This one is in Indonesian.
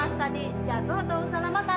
pas tadi jatuh atau salah makan